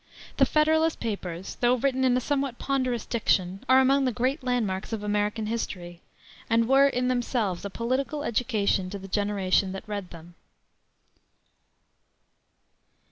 The Federalist papers, though written in a somewhat ponderous diction, are among the great landmarks of American history, and were in themselves a political education to the generation that read them.